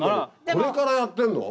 これからやってんの？